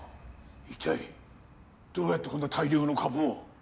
一体どうやってこんな大量の株を？